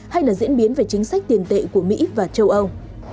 hay là diễn biến về chính sách tiền tệ của mỹ và châu âu